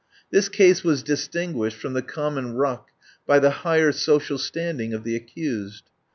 This case was distinguished from the common ruck by the higher social standing of the accused.